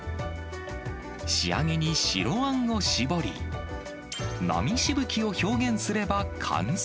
仕上げに白あんを搾り、波しぶきを表現すれば完成。